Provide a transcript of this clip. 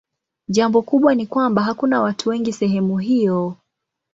Jambo kubwa ni kwamba hakuna watu wengi sehemu hiyo.